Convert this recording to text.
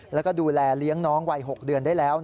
แล้วก็ดูแลเลี้ยงน้องวัย๖เดือนได้แล้ว